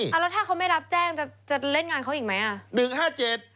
แล้วถ้าเขาไม่รับแจ้งจะเล่นงานเขาอีกไหมอ่ะ